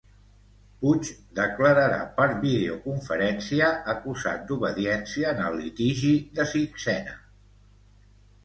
Puig declararà per videoconferència acusat d'obediència en el litigi de Sixena.